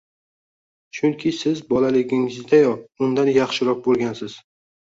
chunki siz bolaligingizdayoq undan yaxshiroq bo‘lgansiz.